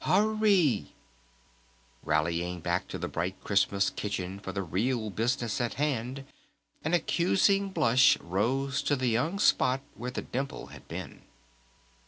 Hurry!" Rallying back to the bright Christmas kitchen for the real business at hand, an accusing blush rose to the young spot where the dimple had been.